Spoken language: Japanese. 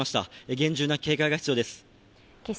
厳重な警戒が必要です。